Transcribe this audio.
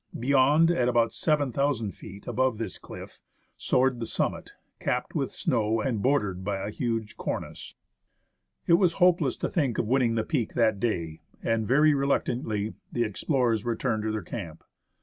Beyond, at about 7,000 feet above this cliff, soared the summit, capped with snow, and bordered by a huge cornice. It was hopeless to think of winning the peak that day, and, very reluctantly, the explorers returned to their camp.